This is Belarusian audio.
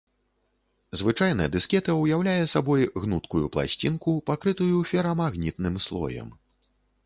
Звычайна дыскета ўяўляе сабой гнуткую пласцінку, пакрытую ферамагнітным слоем.